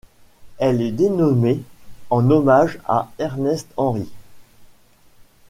Elle est dénommée en hommage à Ernest Henry.